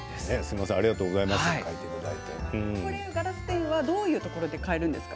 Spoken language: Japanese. ガラスペンはどういうところで買えるんですか。